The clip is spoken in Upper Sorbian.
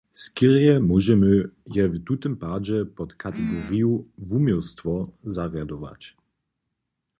Skerje móžemy je w tutym padźe pod kategoriju "wuměłstwo" zarjadować.